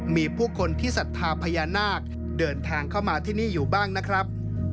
มีผู้คนที่ศรัทธาพญานาคเดินทางเข้ามาที่นี่อยู่บ้างนะครับ